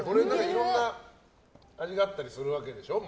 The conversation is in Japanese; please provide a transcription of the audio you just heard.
いろんな味があったりするわけでしょ？